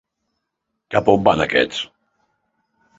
Cap a on van aquests?